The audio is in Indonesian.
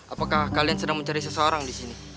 apakah kalian sedang mencari seseorang disini